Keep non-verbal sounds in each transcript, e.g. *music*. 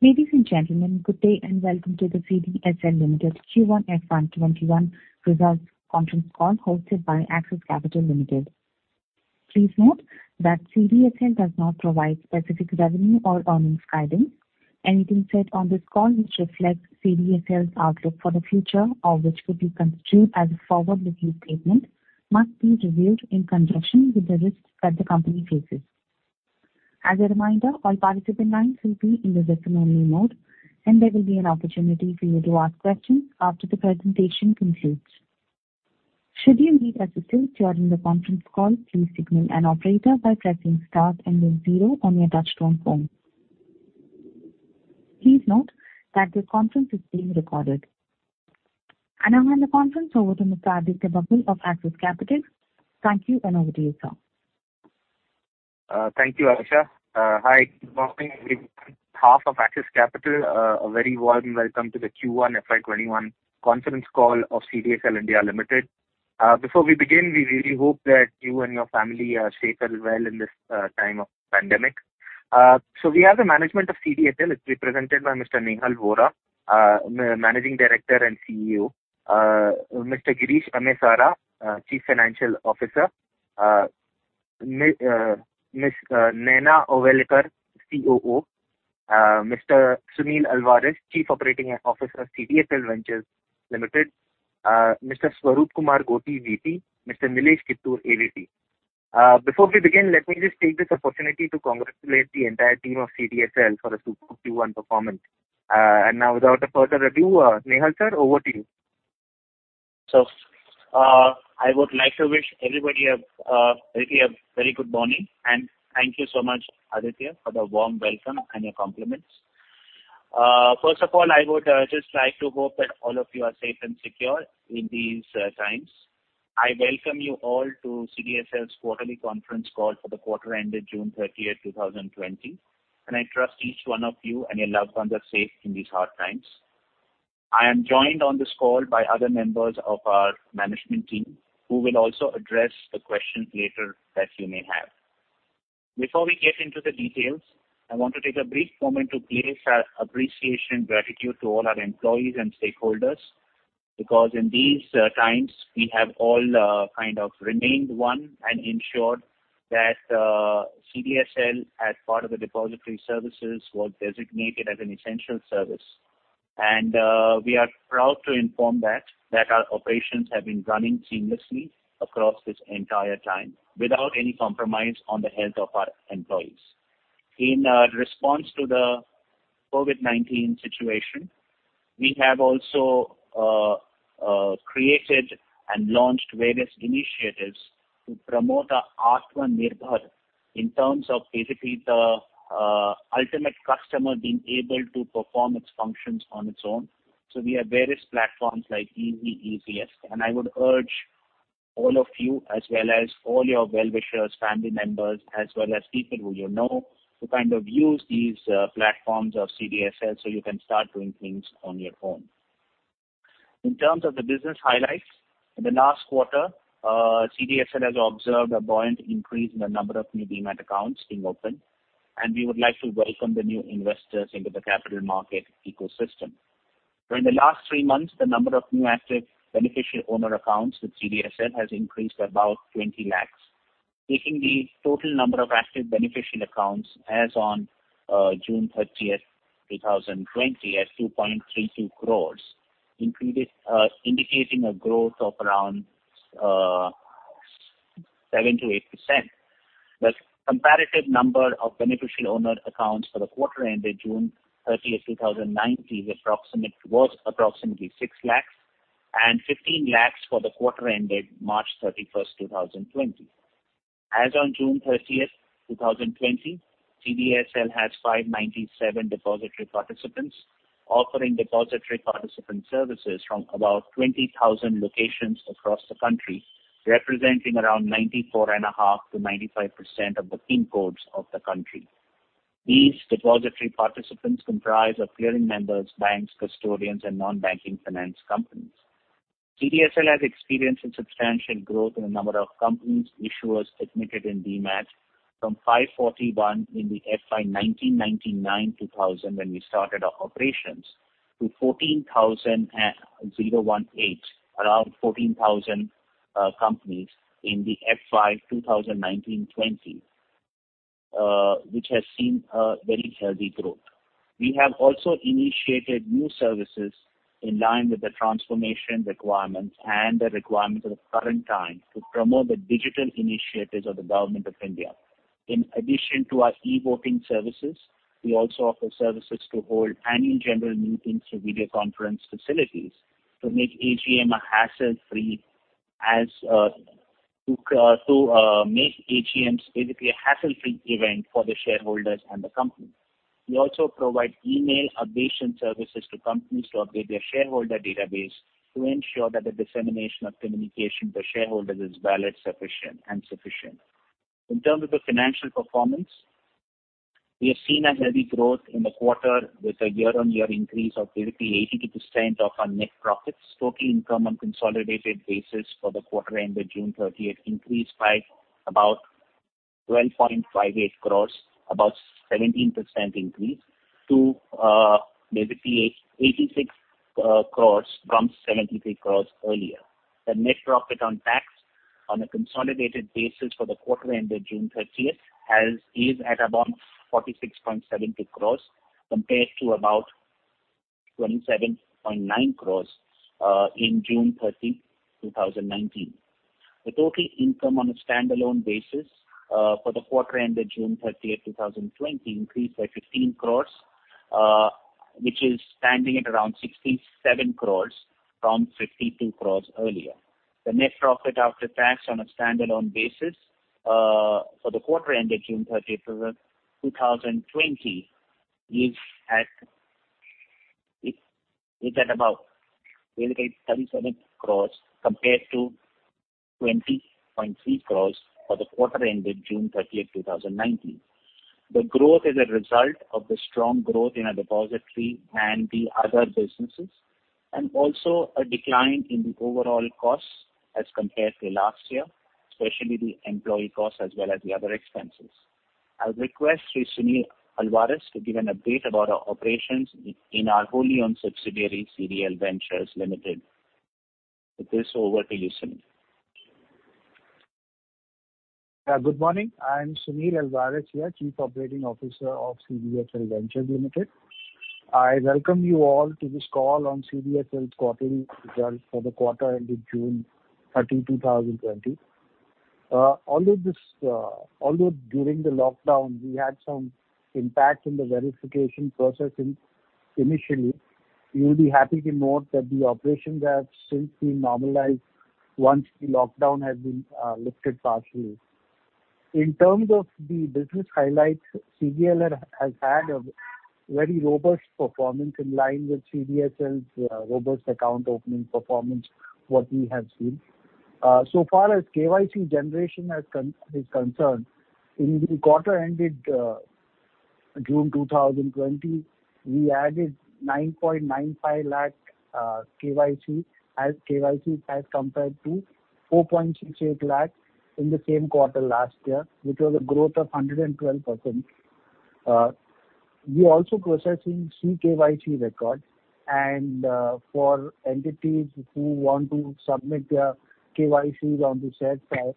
Ladies and gentlemen, good day and welcome to the CDSL Limited Q1 FY 2021 results conference call hosted by Axis Capital Limited. Please note that CDSL does not provide specific revenue or earnings guidance. Anything said on this call which reflects CDSL's outlook for the future or which could be construed as a forward-looking statement must be reviewed in conjunction with the risks that the company faces. As a reminder, all participant lines will be in the listen-only mode, and there will be an opportunity for you to ask questions after the presentation concludes. Should you need assistance during the conference call, please signal an operator by pressing star and then zero on your touch-tone phone. Please note that this conference is being recorded. I now hand the conference over to Mr. Aditya Bagul of Axis Capital. Thank you, and over to you, sir. Thank you, Aisha. Hi, good morning, everyone. On behalf of Axis Capital, a very warm welcome to the Q1 FY 2021 conference call of CDSL India Limited. Before we begin, we really hope that you and your family are safe and well in this time of pandemic. We have the management of CDSL. It is represented by Mr. Nehal Vora, Managing Director and CEO, Mr. Girish Amesara, Chief Financial Officer, Ms. Nayana Ovalekar, COO, Mr. Sunil Alvares, Chief Operating Officer, CDSL Ventures Limited, Mr. Swaroop Gothi, VP, Mr. Nilesh Kittur, AVP. Before we begin, let me just take this opportunity to congratulate the entire team of CDSL for a superb Q1 performance. Now without a further ado, Nehal, sir, over to you. I would like to wish everybody a very good morning, and thank you so much, Aditya, for the warm welcome and your compliments. First of all, I would just like to hope that all of you are safe and secure in these times. I welcome you all to CDSL's quarterly conference call for the quarter ended June 30th, 2020, and I trust each one of you and your loved ones are safe in these hard times. I am joined on this call by other members of our management team who will also address the questions later that you may have. Before we get into the details, I want to take a brief moment to place our appreciation and gratitude to all our employees and stakeholders. In these times, we have all kind of remained one and ensured that CDSL, as part of the depository services, was designated as an essential service. We are proud to inform that our operations have been running seamlessly across this entire time without any compromise on the health of our employees. In response to the COVID-19 situation, we have also created and launched various initiatives to promote Atmanirbhar in terms of basically the ultimate customer being able to perform its functions on its own. We have various platforms like easi, easiest, and I would urge all of you, as well as all your well-wishers, family members, as well as people who you know, to use these platforms of CDSL so you can start doing things on your own. In terms of the business highlights, in the last quarter, CDSL has observed a buoyant increase in the number of new demat accounts being opened, and we would like to welcome the new investors into the capital market ecosystem. During the last three months, the number of new active beneficial owner accounts with CDSL has increased by about 20 lakh, taking the total number of active beneficial accounts as on June 30th, 2020, at 2.32 crore, indicating a growth of around 7%-8%. The comparative number of beneficial owner accounts for the quarter ended June 30th, 2019, was approximately 6 lakh, and 15 lakh for the quarter ended March 31st, 2020. As on June 30th, 2020, CDSL has 597 depository participants offering depository participant services from about 20,000 locations across the country, representing around 94.5%-95% of the PIN codes of the country. These depository participants comprise of clearing members, banks, custodians, and non-banking finance companies. CDSL has experienced a substantial growth in the number of companies/issuers admitted in demat from 541 in the FY 1999/2000 when we started our operations to 14,018, around 14,000 companies in the FY 2019/2020, which has seen a very healthy growth. We have also initiated new services in line with the transformation requirements and the requirements of the current time to promote the digital initiatives of the Government of India. In addition to our e-voting services, we also offer services to hold annual general meetings through video conference facilities to make AGMs basically a hassle-free event for the shareholders and the company. We also provide email updation services to companies to update their shareholder database to ensure that the dissemination of communication to shareholders is valid and sufficient. In terms of the financial performance, we have seen a healthy growth in the quarter with a year-on-year increase of 82% of our net profits. Total income on consolidated basis for the quarter ended June 30th increased by about 12.58 crore, about 17% increase to basically 86 crore from 73 crore earlier. The net profit on tax on a consolidated basis for the quarter ended June 30th is at about 46.72 crore compared to about 27.9 crore in June 30, 2019. The total income on a standalone basis for the quarter ended June 30th, 2020 increased by 15 crore, which is standing at around 67 crores from 52 crore earlier. The net profit after tax on a standalone basis for the quarter ended June 30th, 2020 is at about 37 crore compared to 20.3 crore for the quarter ended June 30th, 2019. The growth is a result of the strong growth in our depository and the other businesses, and also a decline in the overall costs as compared to last year, especially the employee costs as well as the other expenses. I'll request Mr. Sunil Alvares to give an update about our operations in our wholly-owned subsidiary, CDSL Ventures Limited. With this, over to you, Sunil. Good morning. I am Sunil Alvares here, Chief Operating Officer of CDSL Ventures Limited. I welcome you all to this call on CDSL's quarterly results for the quarter ended June 30, 2020. During the lockdown, we had some impact in the verification processing initially, you will be happy to note that the operations have since been normalized once the lockdown has been lifted partially. In terms of the business highlights, CDSL has had a very robust performance in line with CDSL's robust account opening performance, what we have seen. KYC generation is concerned, in the quarter ended June 2020, we added 9.95 lakh KYC as compared to 4.68 lakh in the same quarter last year, which was a growth of 112%. We also processing C-KYC records and for entities who want to submit their KYCs on the said file.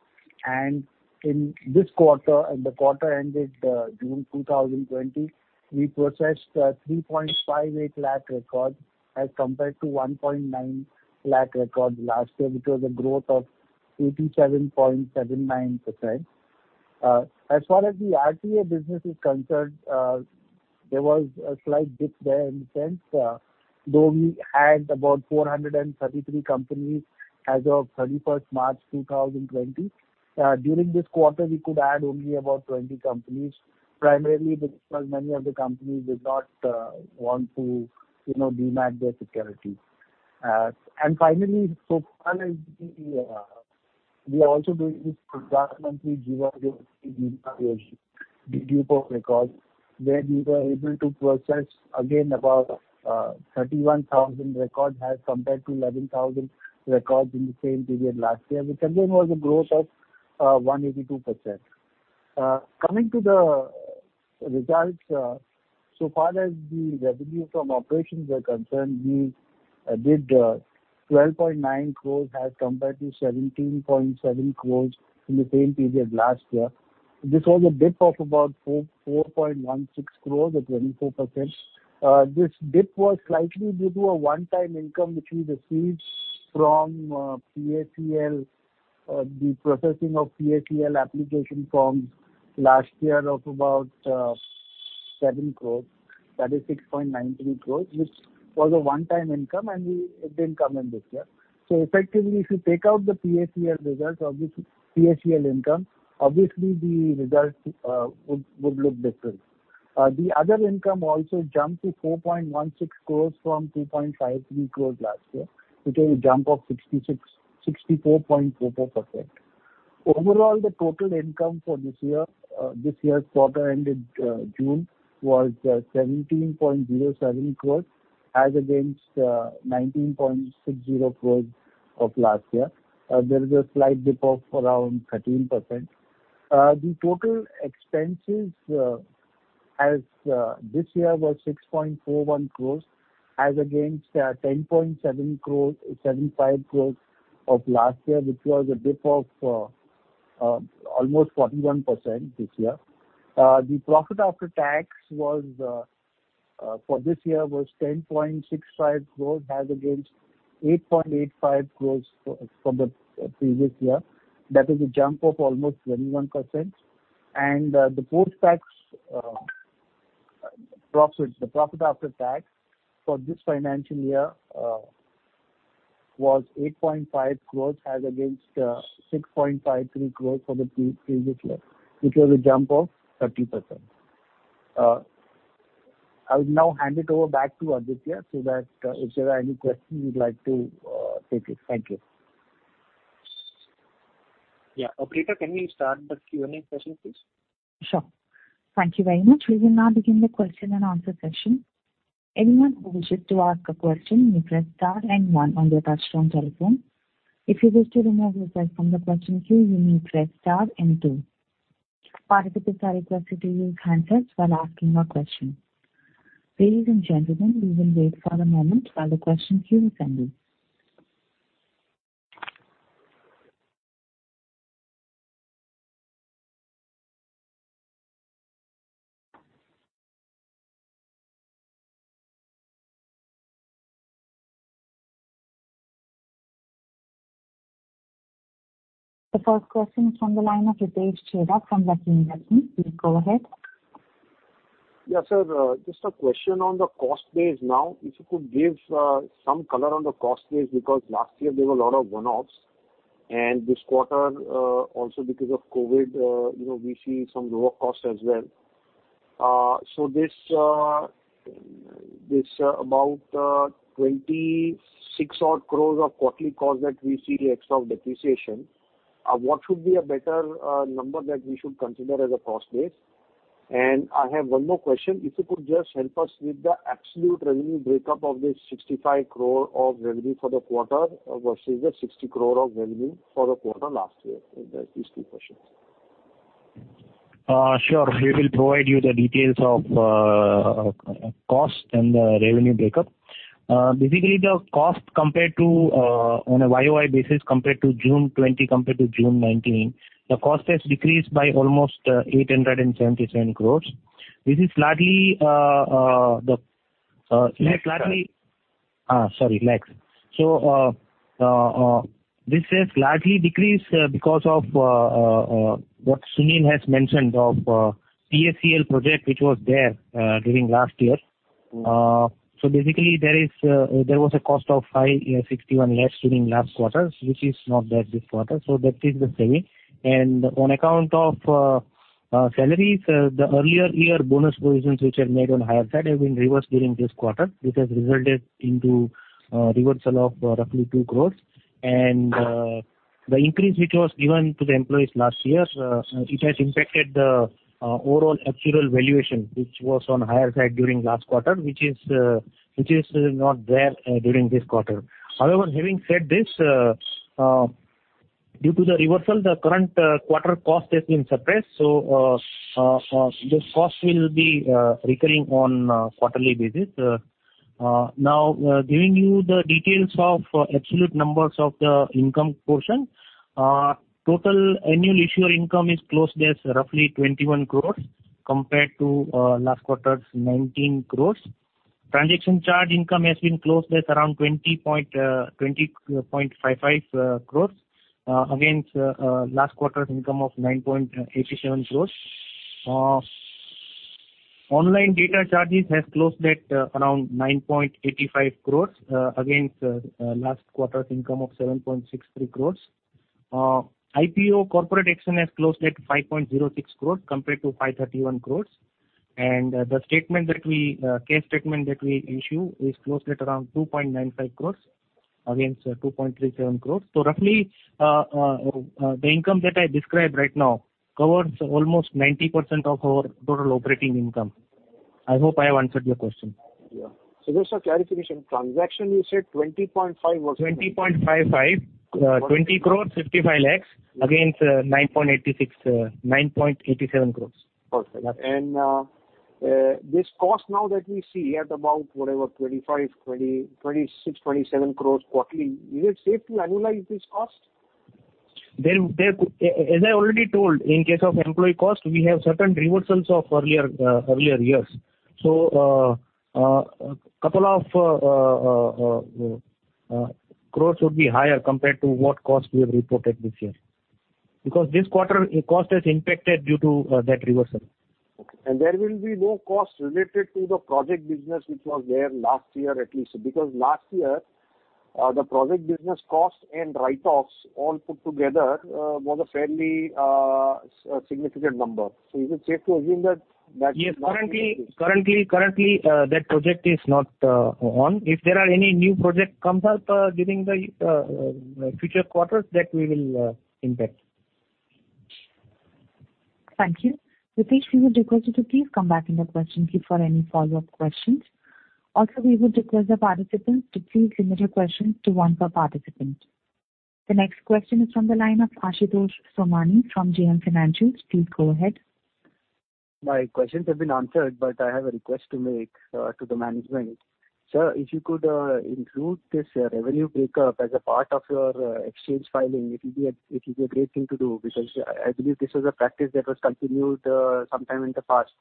In this quarter, the quarter ended June 2020, we processed 3.58 lakh records as compared to 1.9 lakh records last year, which was a growth of 87.79%. As far as the RTA business is concerned, there was a slight dip there in the sense, though we had about 433 companies as of March 31st, 2020. During this quarter, we could add only about 20 companies, primarily because many of the companies did not want to demat their securities. Finally, we are also doing this for government de-dupe of records, where we were able to process again, about 31,000 records as compared to 11,000 records in the same period last year, which again, was a growth of 182%. Coming to the results, so far as the revenue from operations are concerned, we did 12.9 crore as compared to 17.7 crore in the same period last year. This was a dip of about 4.16 crore or 24%. This dip was slightly due to a one-time income which we received from the processing of PACL application forms last year of about 7 crores. That is 6.93 crore, which was a one-time income, and it didn't come in this year. Effectively, if you take out the PACL income, obviously the results would look different. The other income also jumped to 4.16 crore from 2.53 crore last year, which is a jump of 64.44%. Overall, the total income for this year's quarter ended June was 17.07 crore as against 19.60 crore of last year. There is a slight dip of around 13%. The total expenses this year was 6.41 crore as against 10.75 crore of last year, which was a dip of almost 41% this year. The profit after tax for this year was 10.65 crore as against 8.85 crore from the previous year. That is a jump of almost 21%. The post-tax profits, the profit after tax for this financial year was 8.5 crore as against 6.53 crore for the previous year, which was a jump of 30%. I'll now hand it over back to Aditya, so that if there are any questions you'd like to take it. Thank you. Yeah. Operator, can we start the Q&A session, please? Sure. Thank you very much. We will now begin the question and answer session. Anyone who wishes to ask a question may press star and one on your touch-tone telephone. If you wish to remove yourself from the question queue, you may press star and two. Participants are requested to use hand-raise while asking a question. Ladies and gentlemen, we will wait for a moment while the question queue is handled. The first question is from the line of *audio distortion* from Ratna Securities. Please go ahead. Yeah, sir. Just a question on the cost base now. If you could give some color on the cost base, because last year there were a lot of one-offs, and this quarter, also because of COVID, we see some lower costs as well. This about 26 odd crore of quarterly cost that we see extra of depreciation. What should be a better number that we should consider as a cost base? I have one more question. If you could just help us with the absolute revenue breakup of this 65 crore of revenue for the quarter versus the 60 crore of revenue for the quarter last year. These two questions. Sure. We will provide you the details of cost and the revenue breakup. Basically, the cost on a YOY basis compared to June 2020 compared to June 2019, the cost has decreased by almost 877 crores. Lakh. Sorry, lakh. This has largely decreased because of what Sunil has mentioned of PACL project, which was there during last year. Basically, there was a cost of 561 lakh during last quarter, which is not there this quarter. That is the saving. On account of salaries, the earlier year bonus provisions which are made on higher side have been reversed during this quarter, which has resulted into reversal of roughly 2 crore. The increase which was given to the employees last year, it has impacted the overall actuarial valuation, which was on higher side during last quarter, which is not there during this quarter. However, having said this, due to the reversal, the current quarter cost has been suppressed. This cost will be recurring on quarterly basis. Now, giving you the details of absolute numbers of the income portion. Total annual issuer income is closed as roughly 21 crore compared to last quarter's 19 crore. Transaction charge income has been closed at around 20.55 crore against last quarter's income of 9.87 crore. Online data charges has closed at around 9.85 crore against last quarter's income of 7.63 crore. IPO corporate action has closed at 5.06 crore compared to 5.31 crore. The CAS statement that we issue is closed at around 2.95 crore against 2.37 crore. Roughly, the income that I described right now covers almost 90% of our total operating income. I hope I have answered your question. Yeah. Girish, a clarification. Transaction you said 20.5 crore, what? 20.55 crore against 9.87 crore. Okay. This cost now that we see at about whatever, 25 crore, 26 crore, 27 crore quarterly, is it safe to annualize this cost? As I already told, in case of employee cost, we have certain reversals of earlier years. A couple of crore would be higher compared to what cost we have reported this year. This quarter, cost has impacted due to that reversal. Okay. There will be no cost related to the project business which was there last year, at least. Last year, the project business cost and write-offs all put together was a fairly significant number. Is it safe to assume that? Yes, currently that project is not on. If there are any new project comes up during the future quarters, that we will impact. Thank you. Audio distorted], we would request you to please come back in the question queue for any follow-up questions. Also, we would request the participants to please limit your questions to one per participant. The next question is from the line of Ashutosh Somani from JM Financial. Please go ahead. My questions have been answered, but I have a request to make to the management. Sir, if you could include this revenue breakup as a part of your exchange filing, it will be a great thing to do because I believe this was a practice that was continued sometime in the past,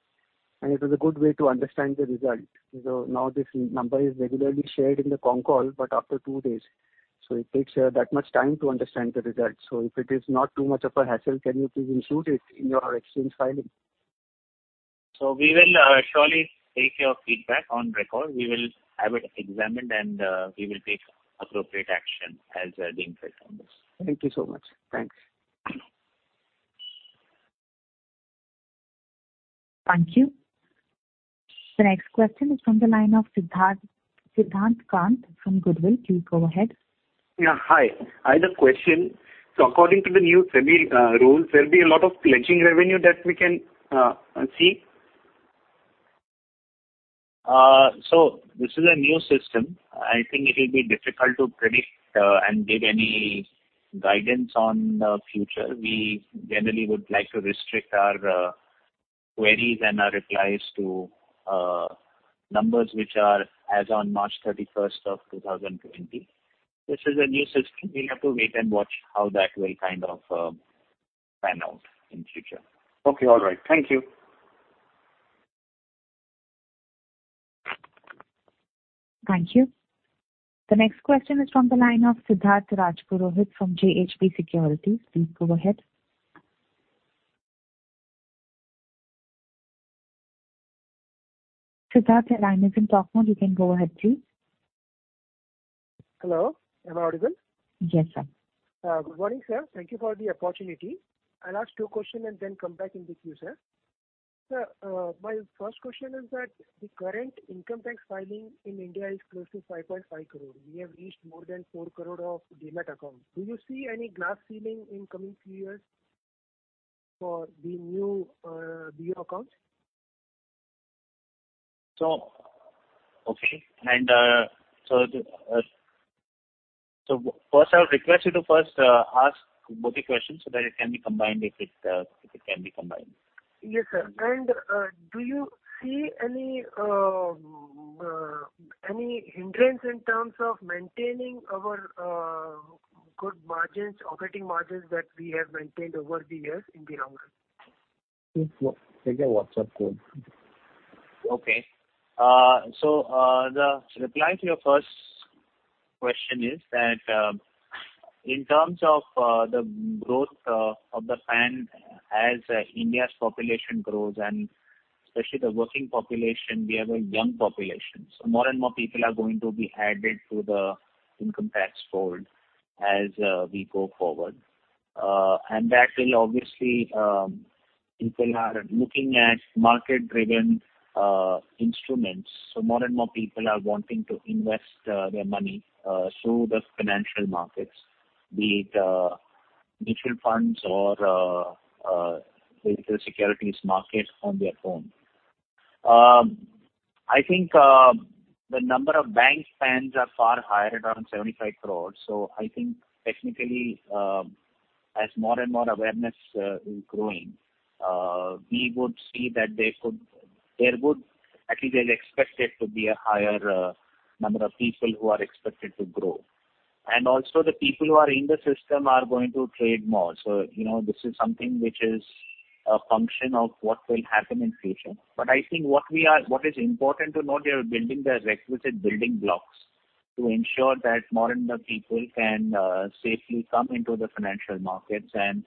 and it is a good way to understand the result. This number is regularly shared in the con call, but after two days. It takes that much time to understand the result. If it is not too much of a hassle, can you please include it in your exchange filing? We will surely take your feedback on record. We will have it examined, and we will take appropriate action as the impact on this. Thank you so much. Thanks. Thank you. The next question is from the line of Siddhant Kant from Goodwill. Please go ahead. Yeah, hi. I had a question. According to the new SEBI rules, there'll be a lot of pledging revenue that we can see? This is a new system. I think it will be difficult to predict and give any guidance on the future. We generally would like to restrict our queries and our replies to numbers which are as on March 31st, 2020. This is a new system. We have to wait and watch how that will kind of pan out in future. Okay. All right. Thank you. Thank you. The next question is from the line of Siddharth Rajpurohit from JHP Securities. Please go ahead. Siddharth, your line is on talk mode. You can go ahead, please. Hello, am I audible? Yes, sir. Good morning, sir. Thank you for the opportunity. I'll ask two questions and then come back in the queue, sir. Sir, my first question is that the current income tax filing in India is close to 5.5 crore. We have reached more than 4 crore of demat accounts. Do you see any glass ceiling in coming few years for the new demat accounts? Okay. First, I would request you to first ask both the questions so that it can be combined if it can be combined. Yes, sir. Do you see any hindrance in terms of maintaining our good margins, operating margins that we have maintained over the years in the long run? Take a WhatsApp call. Okay. The reply to your first question is that in terms of the growth of the PAN as India's population grows and especially the working population, we have a young population. More and more people are going to be added to the income tax fold as we go forward. That will obviously, people are looking at market-driven instruments, more and more people are wanting to invest their money through the financial markets, be it mutual funds or the securities market on their phone. I think the number of bank PANs are far higher at around 75 crore. I think technically, as more and more awareness is growing, we would see that at least they'll expect it to be a higher number of people who are expected to grow. The people who are in the system are going to trade more. This is something which is a function of what will happen in future. I think what is important to note, they are building their requisite building blocks to ensure that more number of people can safely come into the financial markets and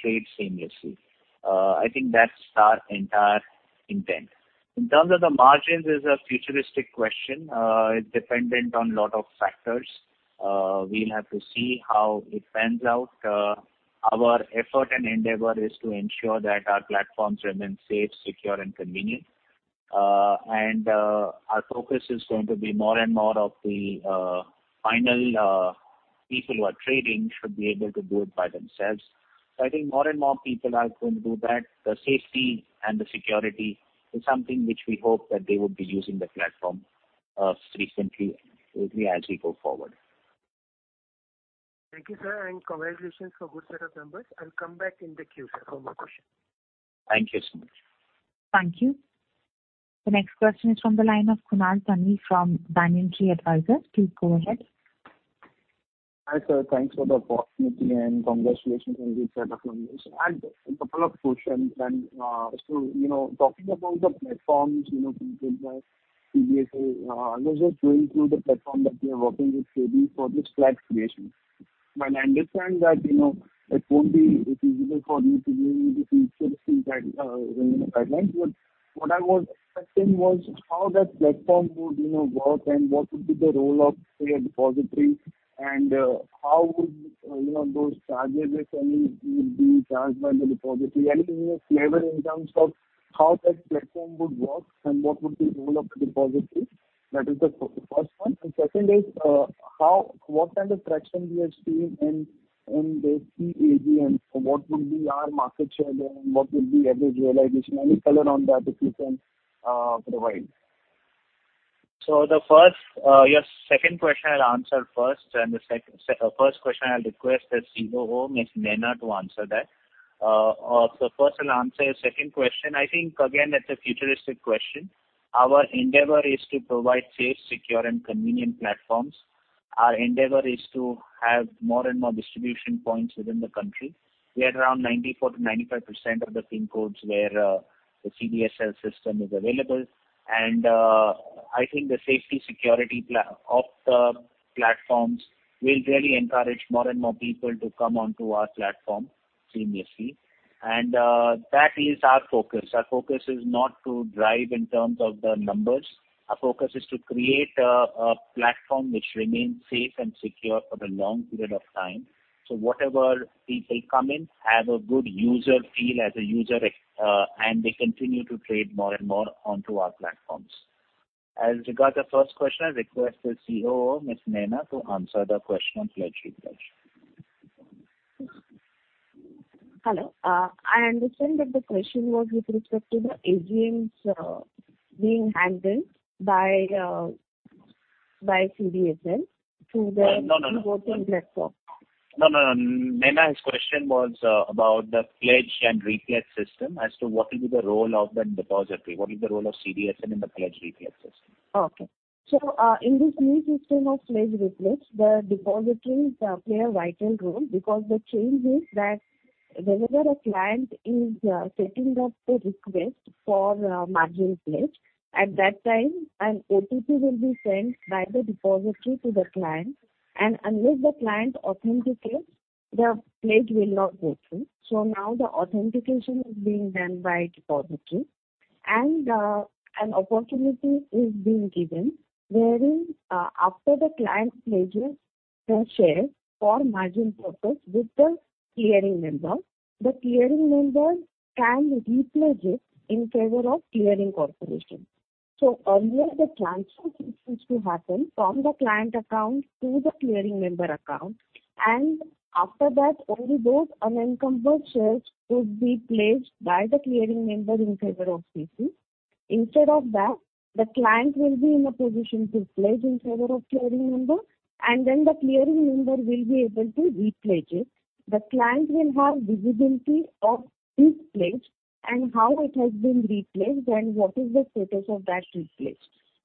trade seamlessly. I think that's our entire intent. In terms of the margins is a futuristic question. It's dependent on lot of factors. We'll have to see how it pans out. Our effort and endeavor is to ensure that our platforms remain safe, secure, and convenient. Our focus is going to be more and more of the final people who are trading should be able to do it by themselves. I think more and more people are going to do that. The safety and the security is something which we hope that they would be using the platform frequently as we go forward. Thank you, sir. Congratulations for good set of numbers. I'll come back in the queue, sir, for more question. Thank you so much. Thank you. The next question is from the line of Kunal Thanvi from Banyan Tree Advisors. Please go ahead. Hi, sir. Thanks for the opportunity and congratulations on the set of numbers. I had a couple of questions talking about the platforms, CDSL. I was just going through the platform that you are working with SEBI for this flag creation. I understand that it won't be easy for you to give me the features in the guidelines. What I was expecting was how that platform would work and what would be the role of, say, a depository, and how would those charges, if any, will be charged by the depository? Any flavor in terms of how that platform would work and what would be the role of the depository? That is the first one. Second is, what kind of traction we are seeing in the CAGR and what would be our market share there and what would be average realization? Any color on that, if you can provide. Your second question, I'll answer first, and the first question, I'll request the COO, Ms. Nayana, to answer that. First I'll answer your second question. I think, again, that's a futuristic question. Our endeavor is to provide safe, secure, and convenient platforms. Our endeavor is to have more and more distribution points within the country. We had around 94% to 95% of the PIN codes where the CDSL system is available. I think the safety security of the platforms will really encourage more and more people to come onto our platform seamlessly. That is our focus. Our focus is not to drive in terms of the numbers. Our focus is to create a platform which remains safe and secure for the long period of time. Whatever people come in, have a good user feel as a user, and they continue to trade more and more onto our platforms. As regard the first question, I request the COO, Ms. Nayana, to answer the question on pledge report. Hello. I understand that the question was with respect to the agents being handled by CDSL through. No. -network. No. Nayana's question was about the pledge and repledge system as to what will be the role of the depository. What is the role of CDSL in the pledge repledge system? Okay. In this new system of pledge repledge, the depositories play a vital role because the change is that whenever a client is setting up a request for a margin pledge, at that time, an OTP will be sent by the depository to the client, and unless the client authenticates, the pledge will not go through. Now the authentication is being done by depository and an opportunity is being given wherein, after the client pledges the share for margin purpose with the clearing member, the clearing member can repledge it in favor of clearing corporation. Earlier, the transfer used to happen from the client account to the clearing member account, and after that, only those unencumbered shares could be pledged by the clearing member in favor of CC. Instead of that, the client will be in a position to pledge in favor of clearing member, and then the clearing member will be able to repledge it. The client will have visibility of his pledge and how it has been repledged, and what is the status of that repledge.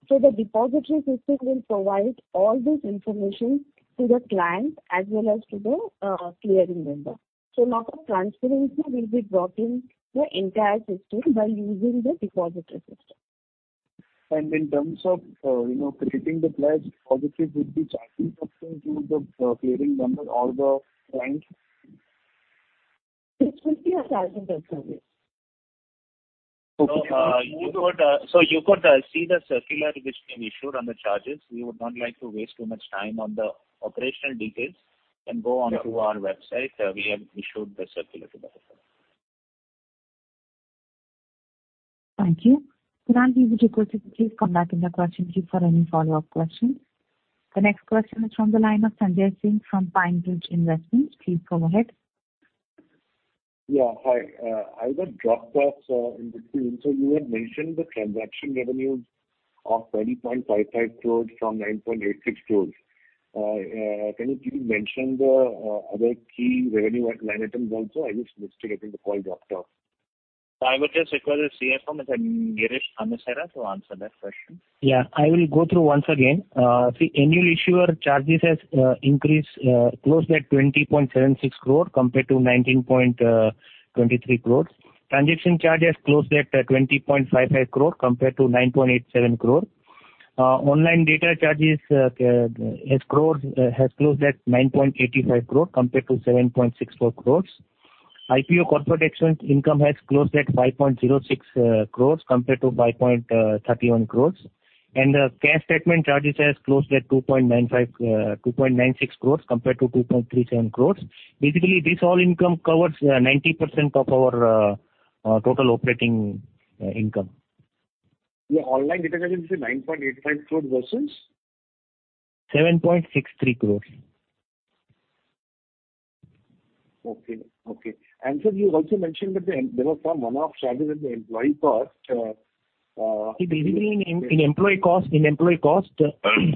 The depository system will provide all this information to the client as well as to the clearing member. Now the transparency will be brought in the entire system by using the depository system. In terms of creating the pledge, depository would be charging something to the clearing member or the client? It will be a charging per se. You could see the circular which we issued on the charges. We would not like to waste too much time on the operational details. You can go onto our website. We have issued the circular to that effect. Thank you. Sir, I'll be requesting please come back in the question queue for any follow-up questions. The next question is from the line of Sanjay Singh from PineBridge Investments. Please go ahead. Yeah. Hi. I got dropped off in between. You had mentioned the transaction revenues of 20.55 crore from 9.86 crore. Can you please mention the other key revenue line items also? I was just getting the call dropped off. I would just request the CFO, Mr. Girish Amesara, to answer that question. Yeah. I will go through once again. See, annual issuer charges has increased close to 20.76 crore compared to 19.23 crore. Transaction charge has closed at 20.55 crores compared to 9.87 crore. Online data charges has closed at 9.85 crores compared to 7.64 crore. IPO corporate action income has closed at 5.06 crore compared to 5.31 crore. The cash statement charges has closed at 2.96 crore compared to 2.37 crore. Basically, this all income covers 90% of our total operating income. The online data charges is 9.85 crore versus? 7.63 crore. Okay. Sir, you also mentioned that there were some one-off charges in the employee cost. Basically, in employee cost,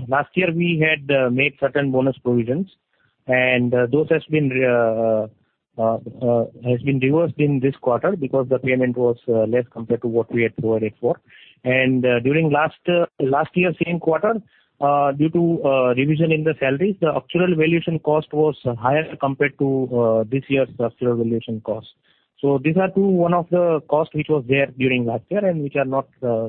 last year, we had made certain bonus provisions. Those has been reversed in this quarter because the payment was less compared to what we had provided for. During last year same quarter, due to revision in the salaries, the actuarial valuation cost was higher compared to this year's actuarial valuation cost. These are two, one of the cost which was there during last year and which are not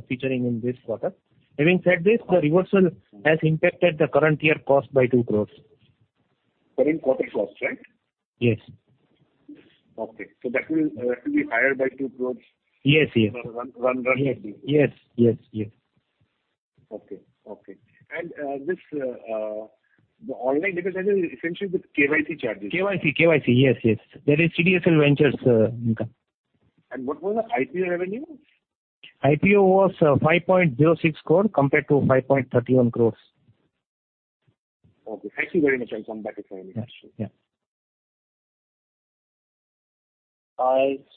featuring in this quarter. Having said this, the reversal has impacted the current year cost by 2 crore. Current quarter cost, right? Yes. Okay. That will be higher by 2 crore. Yes. run rate basis. Yes. Okay. This online data charges is essentially the KYC charges. KYC, yes. That is CDSL Ventures income. What was the IPO revenue? IPO was 5.06 crore compared to 5.31 crore. Okay. Thank you very much. I'll come back if I have any questions. Yeah.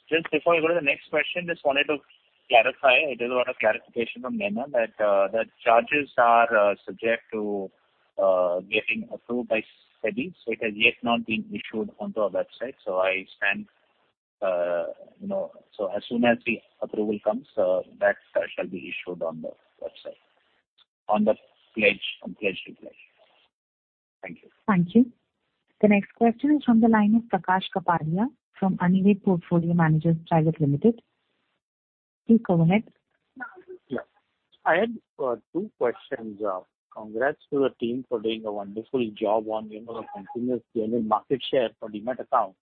Just before you go to the next question, just wanted to clarify. I did a lot of clarification from Nayana that charges are subject to getting approved by SEBI, so it has yet not been issued onto our website. As soon as the approval comes, that shall be issued on the website on the pledge repledge. Thank you. Thank you. The next question is from the line of Prakash Kapadia from Anived Portfolio Managers Private Limited. Please go ahead. I had two questions. Congrats to the team for doing a wonderful job on the continuous gaining market share for demat accounts.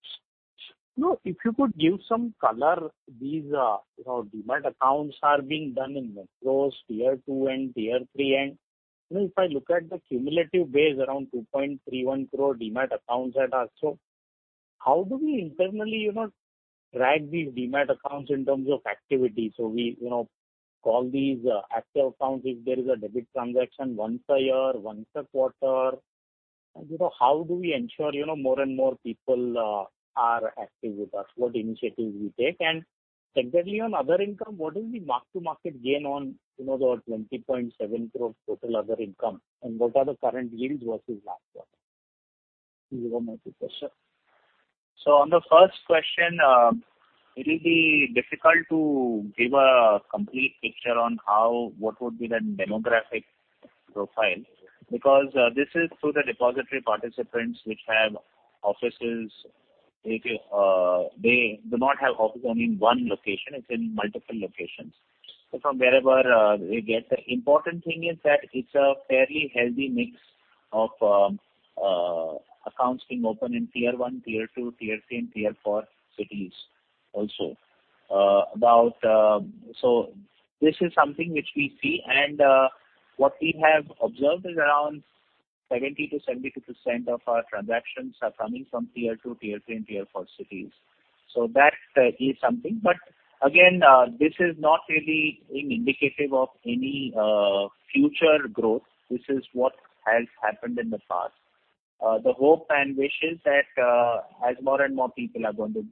If you could give some color, these demat accounts are being done in metros, tier 2 and tier 3, if I look at the cumulative base around 2.31 crore demat accounts that are, how do we internally track these demat accounts in terms of activity. We call these active accounts if there is a debit transaction once a year, once a quarter. How do we ensure more and more people are active with us? What initiatives we take? Secondly, on other income, what is the mark-to-market gain on the 20.7 crore total other income? What are the current yields versus last quarter? These are my two questions. On the first question, it will be difficult to give a complete picture on what would be the demographic profile, because this is through the Depository Participants which have offices. They do not have offices only in one location. It's in multiple locations. From wherever they get. The important thing is that it's a fairly healthy mix of accounts being opened in tier 1, tier 2, tier 3, and tier 4 cities also. This is something which we see, and what we have observed is around 70%-72% of our transactions are coming from tier 2, tier 3, and tier 4 cities. That is something. Again, this is not really indicative of any future growth. This is what has happened in the past. The hope and wish is that as more and more people are going to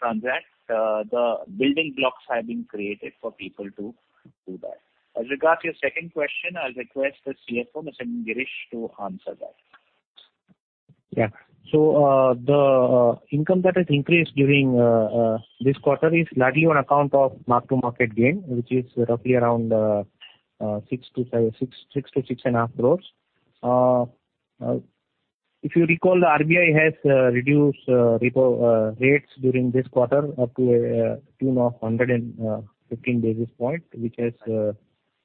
transact, the building blocks have been created for people to do that. With regard to your second question, I'll request the CFO, Mr. Girish, to answer that. The income that has increased during this quarter is largely on account of mark-to-market gain, which is roughly around 6-6.5 crore. If you recall, the RBI has reduced repo rates during this quarter up to a tune of 115 basis points, which has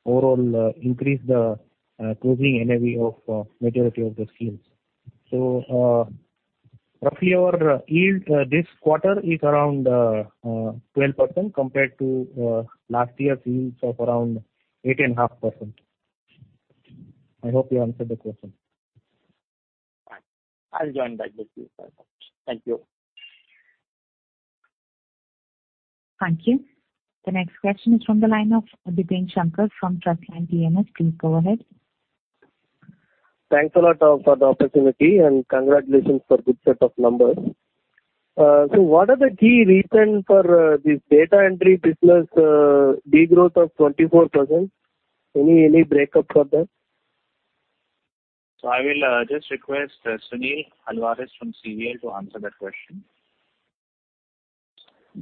overall increased the closing NAV of majority of the schemes. Roughly our yield this quarter is around 12% compared to last year's yields of around 8.5%. I hope we answered the question. I'll join back with you. Thank you. Thank you. The next question is from the line of Dipen Shankar from Trustline PMS. Please go ahead. Thanks a lot for the opportunity and congratulations for good set of numbers. What are the key reasons for this data entry business de-growth of 24%? Any breakup for that? I will just request Sunil Alvares from CVL to answer that question.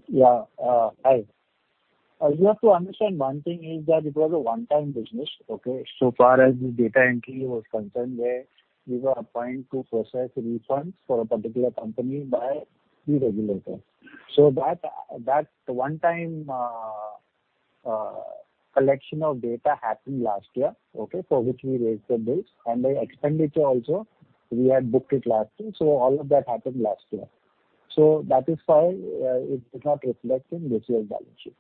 Yeah. Hi. You have to understand one thing, is that it was a one-time business, okay? As far as the data entry was concerned, where we were appointed to process refunds for a particular company by the regulator. That one-time collection of data happened last year, okay? For which we raised the bills and the expenditure also, we had booked it last year. All of that happened last year. That is why it is not reflected in this year's balance sheet.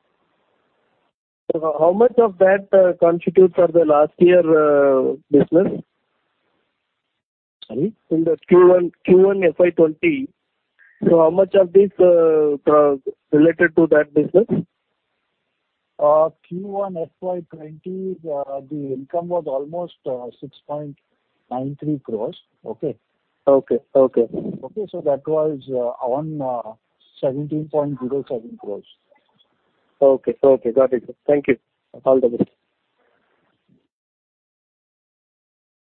How much of that constitutes for the last year business? Sorry? In the Q1 FY 2020, how much of this was related to that business? Q1 FY 2020, the income was almost 6.93 crore. Okay. Okay. Okay. That was on 17.07 crore. Okay. Got it. Thank you. All the best.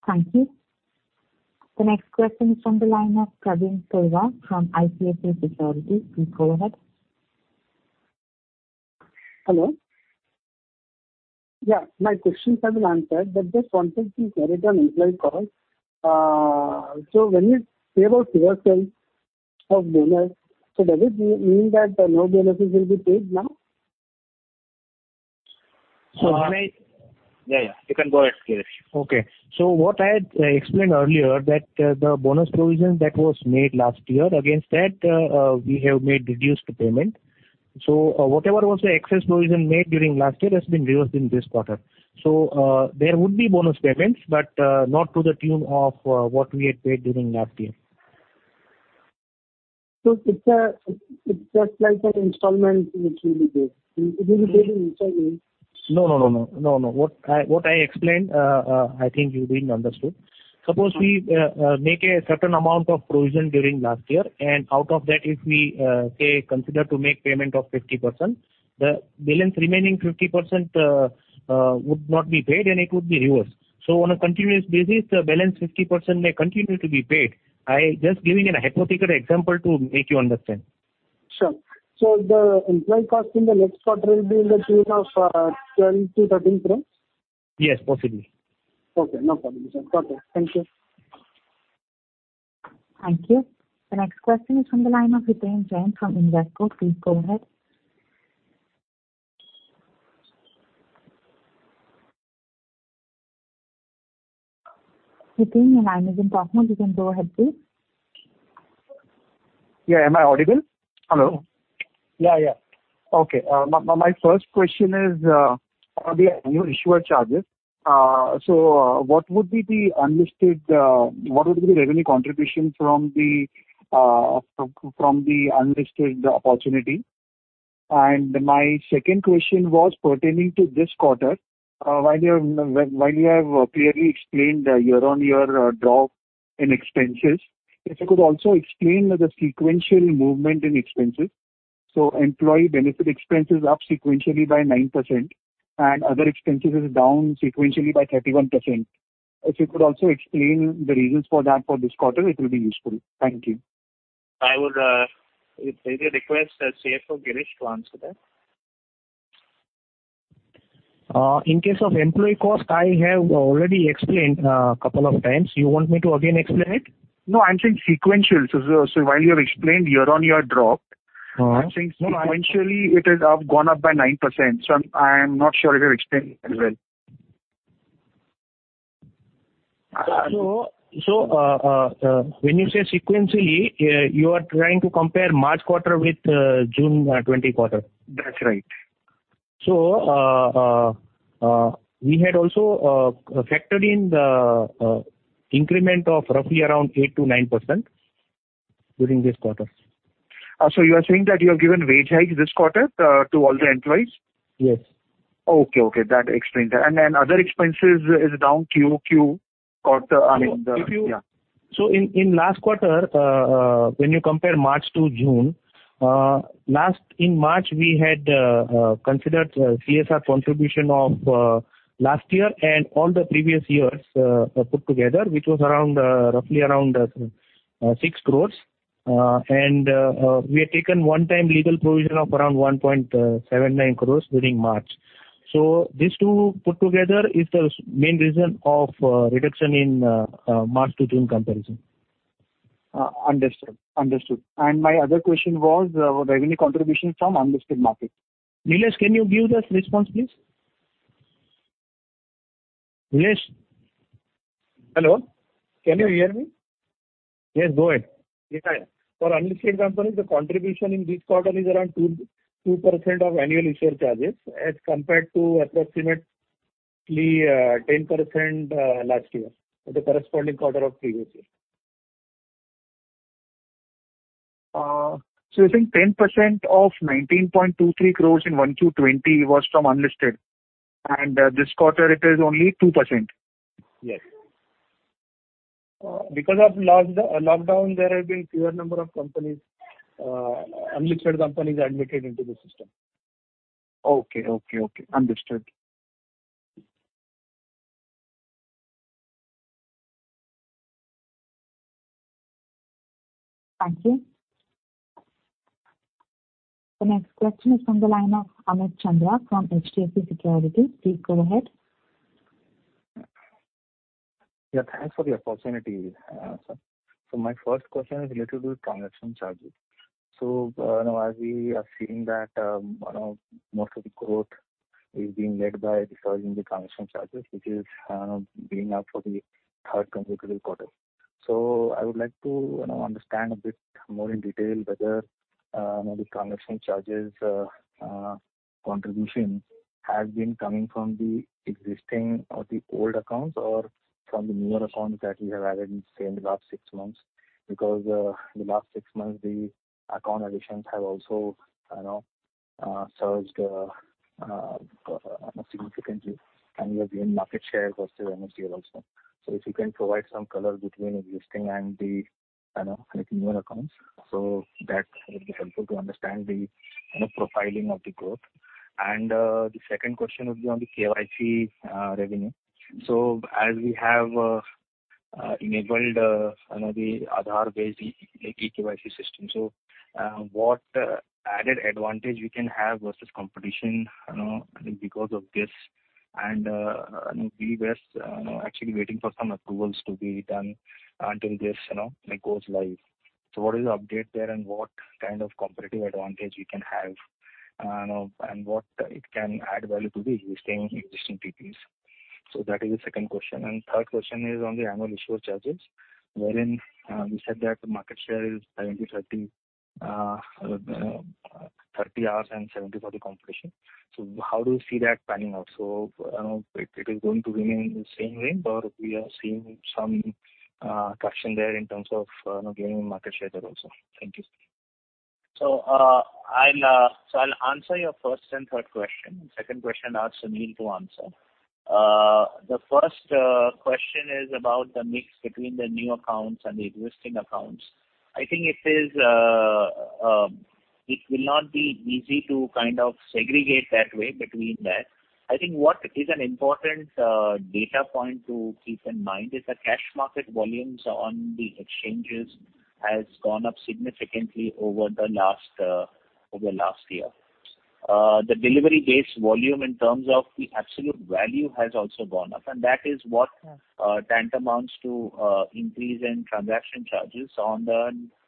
Thank you. The next question is from the line of Sudheer Guntupalli from ICICI Securities. Please go ahead. Hello. Yeah, my questions have been answered but just wanted to iterate on employee cost. When you say about reversal of bonus, so does it mean that no bonuses will be paid now? when Yeah, you can go ahead, Girish. Okay. What I had explained earlier that the bonus provision that was made last year, against that, we have made reduced payment. Whatever was the excess provision made during last year has been reversed in this quarter. There would be bonus payments, but not to the tune of what we had paid during last year. It's just like an installment which will be paid. It will be paid in installments? No. What I explained, I think you didn't understand. Suppose we make a certain amount of provision during last year, and out of that, if we say consider to make payment of 50%, the balance remaining 50% would not be paid and it would be reversed. On a continuous basis, the balance 50% may continue to be paid. I just giving a hypothetical example to make you understand. Sure. The employee cost in the next quarter will be in the tune of 12 crore-13 crore? Yes, possibly. Okay. No problem, sir. Got it. Thank you. Thank you. The next question is from the line of Hiten Jain from Invesco. Please go ahead. Hiten, your line is unblocked now. You can go ahead, please. Yeah. Am I audible? Hello. Yeah. Okay. My first question is on the annual issuer charges. What would be the revenue contribution from the unlisted opportunity? My second question was pertaining to this quarter. While you have clearly explained the year-on-year drop in expenses, if you could also explain the sequential movement in expenses. Employee benefit expense is up sequentially by 9% and other expenses is down sequentially by 31%. If you could also explain the reasons for that for this quarter, it will be useful. Thank you. I would maybe request CFO Girish to answer that. In case of employee cost, I have already explained a couple of times. You want me to again explain it? No, I'm saying sequential. While you have explained year-on-year drop, I'm saying sequentially it has gone up by 9%. I'm not sure if you explained it as well. When you say sequentially, you are trying to compare March quarter with June 2020 quarter. That's right. We had also factored in the increment of roughly around 8%-9% during this quarter. You are saying that you have given wage hike this quarter to all the employees? Yes. Okay. That explains that. Other expenses is down Q/Q. I mean, Yeah. In last quarter, when you compare March to June, in March we had considered CSR contribution of last year and all the previous years, put together, which was roughly around 6 crore. We had taken one time legal provision of around 1.79 crore during March. These two put together is the main reason of reduction in March to June comparison. Understood. My other question was revenue contribution from unlisted market. Nilesh, can you give the response, please? Nilesh? Hello, can you hear me? Yes, go ahead. Yeah. For unlisted companies, the contribution in this quarter is around 2% of annual issuer charges as compared to approximately 10% last year for the corresponding quarter of previous year. You're saying 10% of 19.23 crore in H1 2020 was from unlisted and this quarter it is only 2%? Yes. Because of lockdown, there have been fewer number of unlisted companies admitted into the system. Okay. Understood. Thank you. The next question is from the line of Amit Chandra from HDFC Securities. Please go ahead. Thanks for the opportunity. My first question is related to transaction charges. As we are seeing that most of the growth is being led by the surge in the transaction charges, which is being up for the third consecutive quarter. I would like to understand a bit more in detail whether the transaction charges contribution has been coming from the existing or the old accounts, or from the newer accounts that you have added in, say, the last six months. Because the last six months, the account additions have also surged significantly, and you have gained market share versus NSDL also. If you can provide some color between existing and the newer accounts, so that would be helpful to understand the profiling of the growth. The second question would be on the KYC revenue. As we have enabled the Aadhaar-based e-KYC system. What added advantage we can have versus competition because of this and we were actually waiting for some approvals to be done until this goes live. What is the update there and what kind of competitive advantage we can have and what it can add value to the existing DPs. That is the second question. Third question is on the annual issuer charges, wherein you said that the market share is 30% ours and 70% for the competition. How do you see that panning out? It is going to remain the same way or we are seeing some traction there in terms of gaining market share there also. Thank you. I'll answer your first and third question. Second question I'll ask Sunil to answer. The first question is about the mix between the new accounts and the existing accounts. It will not be easy to segregate that way between that. What is an important data point to keep in mind is the cash market volumes on the exchanges has gone up significantly over the last year. The delivery-based volume in terms of the absolute value has also gone up, and that is what tantamounts to increase in transaction charges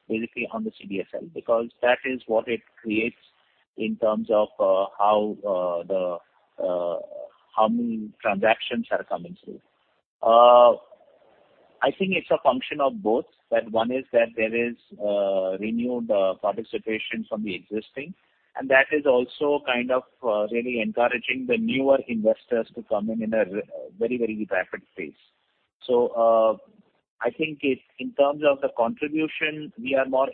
basically on the CDSL, because that is what it creates in terms of how many transactions are coming through. It's a function of both. One is that there is a renewed participation from the existing, and that is also really encouraging the newer investors to come in a very rapid pace. I think in terms of the contribution, we are more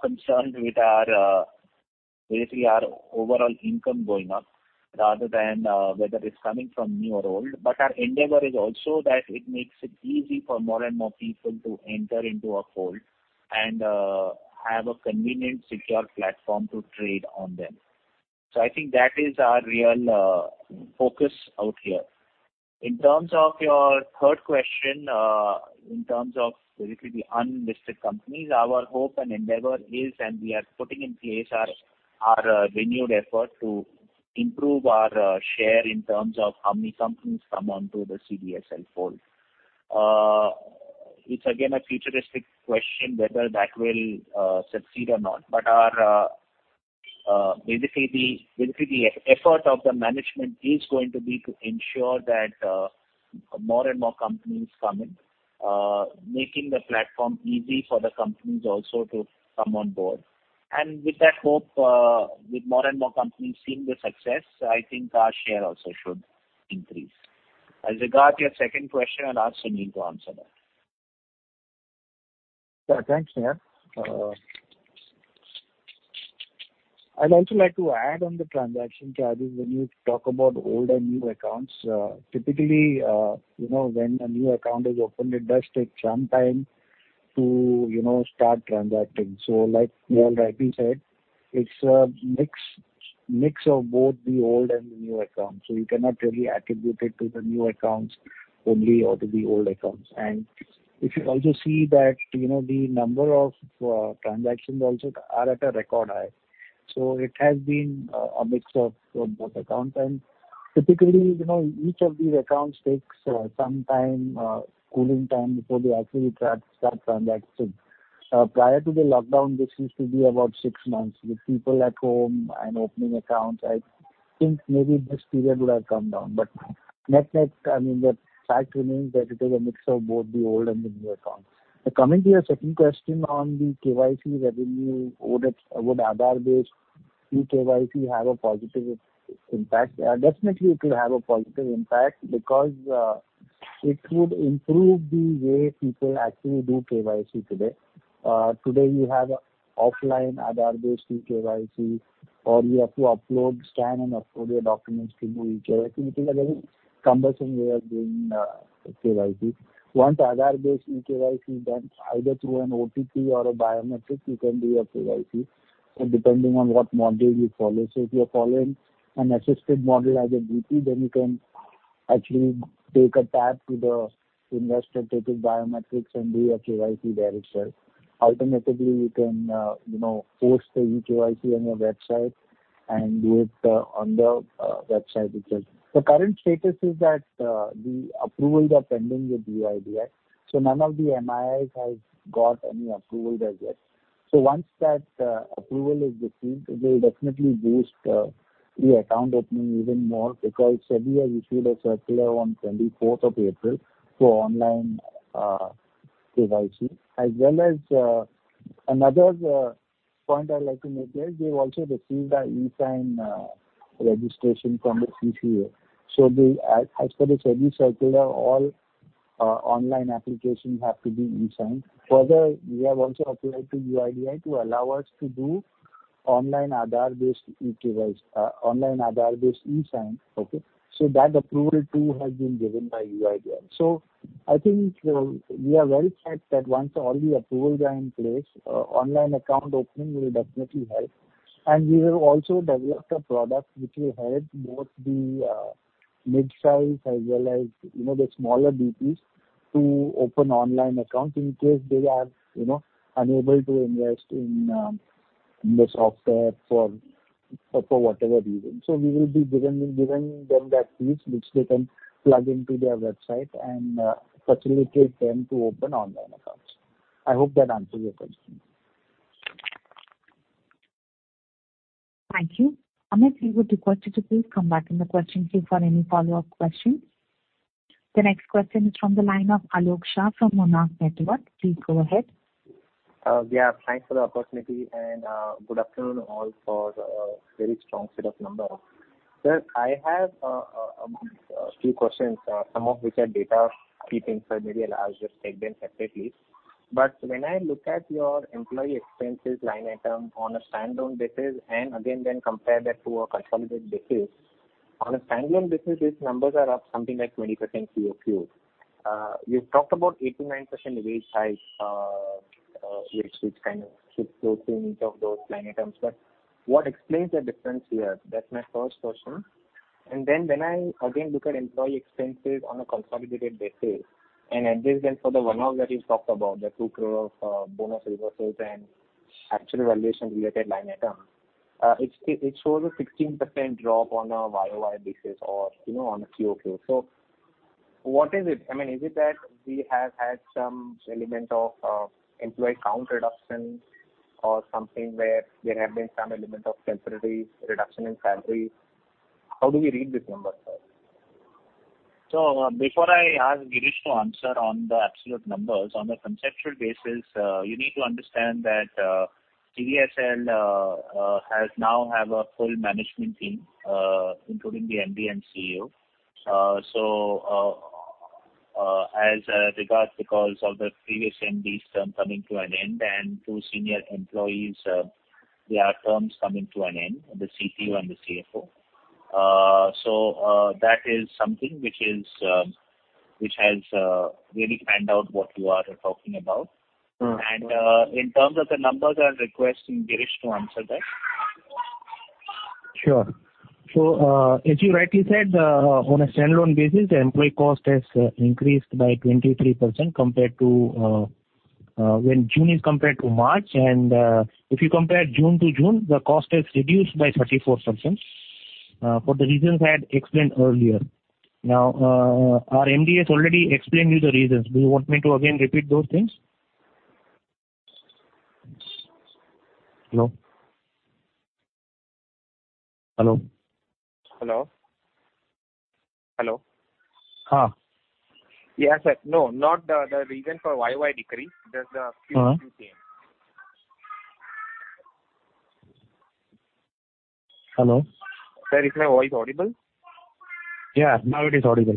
concerned with our overall income going up rather than whether it is coming from new or old. Our endeavor is also that it makes it easy for more and more people to enter into our fold and have a convenient, secure platform to trade on them. I think that is our real focus out here. In terms of your third question, in terms of basically the unlisted companies, our hope and endeavor is, and we are putting in place our renewed effort to improve our share in terms of how many companies come onto the CDSL fold. It's again, a futuristic question whether that will succeed or not, but basically the effort of the management is going to be to ensure that more and more companies come in, making the platform easy for the companies also to come on board. With that hope, with more and more companies seeing the success, I think our share also should increase. As regard your second question, I'll ask Sunil to answer that. Thanks, Nehal. I'd also like to add on the transaction charges when you talk about old and new accounts. Typically, when a new account is opened, it does take some time to start transacting. Like Nehal rightly said, it's a mix of both the old and the new accounts. You cannot really attribute it to the new accounts only or to the old accounts. If you also see that the number of transactions also are at a record high. It has been a mix of both accounts. Typically, each of these accounts takes some time, cooling time before they actually start transacting. Prior to the lockdown, this used to be about six months. With people at home and opening accounts, I think maybe this period would have come down. Net-net, the fact remains that it is a mix of both the old and the new accounts. Coming to your second question on the KYC revenue, would Aadhaar-based e-KYC have a positive impact? It will have a positive impact because it would improve the way people actually do KYC today. Today we have offline Aadhaar-based e-KYC, or you have to scan and upload your documents to do e-KYC, which is a very cumbersome way of doing KYC. Once Aadhaar-based e-KYC done either through an OTP or a biometric, you can do your KYC. Depending on what model you follow. If you're following an assisted model as a DP, then you can actually take a tab to the investor, take his biometrics, and do your KYC there itself. Alternatively, you can host the e-KYC on your website and do it on the website itself. The current status is that the approvals are pending with UIDAI. None of the MIIs has got any approval as yet. Once that approval is received, it will definitely boost the account opening even more because SEBI has issued a circular on 24th of April for online KYC. As well as another point I'd like to make there, they've also received an e-sign registration from the CCA. As per the SEBI circular, all online applications have to be e-signed. Further, we have also applied to UIDAI to allow us to do online Aadhaar-based e-sign. That approval too has been given by UIDAI. I think we are well set that once all the approvals are in place, online account opening will definitely help. We have also developed a product which will help both the midsize as well as the smaller DPs to open online accounts in case they are unable to invest in the software for whatever reason. We will be giving them that piece which they can plug into their website and facilitate them to open online accounts. I hope that answers your question. Thank you. Amit, we would request you to please come back in the question queue for any follow-up questions. The next question is from the line of Aalok Shah from Monarch Networth Capital. Please go ahead. Yeah, thanks for the opportunity and good afternoon all for a very strong set of numbers. Sir, I have a few questions, some of which are data-keeping. Maybe I'll just take them separately. When I look at your employee expenses line item on a standalone basis, and again, then compare that to a consolidated basis, on a standalone basis, these numbers are up something like 20% QoQ. You've talked about 8% to 9% wage hike, which kind of keeps closing each of those line items. What explains the difference here? That's my first question. When I again look at employee expenses on a consolidated basis and adjust them for the one-off that you talked about, the 2 crore of bonus reversals and actual valuation-related line item, it shows a 16% drop on a YoY basis or on a QoQ. What is it? Is it that we have had some element of employee count reduction or something where there have been some element of salary reduction in salary? How do we read this number, sir? Before I ask Girish to answer on the absolute numbers, on a conceptual basis, you need to understand that CDSL now have a full management team, including the MD and CEO, as regards because of the previous MD's term coming to an end, and two senior employees, their terms coming to an end, the CTO and the CFO. That is something which has really panned out what you are talking about. In terms of the numbers, I'm requesting Girish to answer that. Sure. As you rightly said, on a standalone basis, the employee cost has increased by 23% when June is compared to March. If you compare June to June, the cost has reduced by 34% for the reasons I had explained earlier. Our MD has already explained you the reasons. Do you want me to again repeat those things? Hello? Hello? Hello. Hello. Huh? Yes, sir. No, not the reason for why decrease. Q2 change. Hello. Sir, is my voice audible? Yeah, now it is audible.